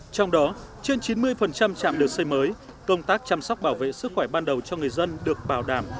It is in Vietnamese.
trong đó trên chín mươi trạm được xây mới công tác chăm sóc bảo vệ sức khỏe ban đầu cho người dân được bảo đảm